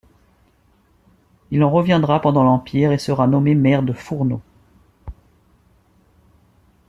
Il en reviendra pendant l'empire et sera nommé maire de Fourneaux.